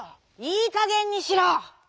いいかげんにしろ！」。